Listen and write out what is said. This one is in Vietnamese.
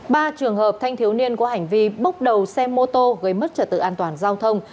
ba trường hợp thanh thiếu niên có hành vi bốc đầu xe mô tô gây mất trật tự an toàn giao thông